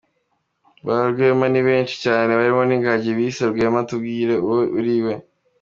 Ba rwema ni benshi cyane harimo n’ingagi bise rwema tubwire uwo uriwe